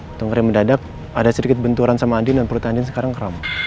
untuk ngereme dadak ada sedikit benturan sama andien dan perut andien sekarang kram